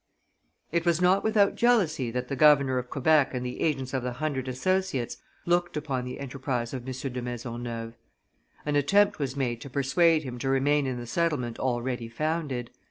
It was not without jealousy that the governor of Quebec and the agents of the hundred associates looked upon the enterprise of M. de Maisonneuve; an attempt was made to persuade him to remain in the settlement already founded.